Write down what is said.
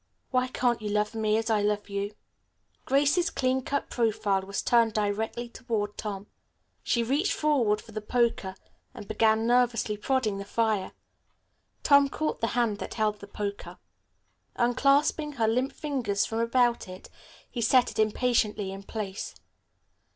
Why can't you love me as I love you?" Grace's clean cut profile was turned directly toward Tom. She reached forward for the poker and began nervously prodding the fire. Tom caught the hand that held the poker. Unclasping her limp fingers from about it, he set it impatiently in place.